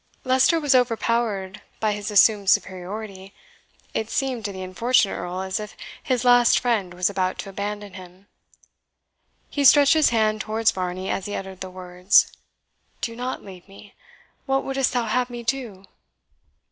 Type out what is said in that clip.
Leicester was overpowered by his assumed superiority it seemed to the unfortunate Earl as if his last friend was about to abandon him. He stretched his hand towards Varney as he uttered the words, "Do not leave me. What wouldst thou have me do?"